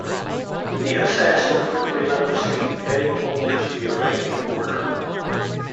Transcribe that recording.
The assassin quickly left the scene, heading towards the Iranian border.